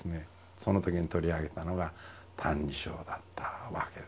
そのときに取り上げたのが「歎異抄」だったわけですね。